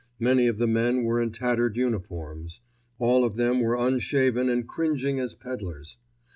Many of the men were in tattered uniforms; all of them were unshaven and cringing as pedlars.